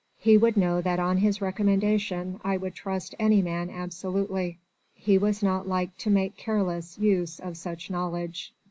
He would know that on his recommendation I would trust any man absolutely. He was not like to make careless use of such knowledge."